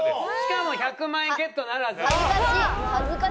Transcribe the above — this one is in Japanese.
しかも１００万円ゲットならず。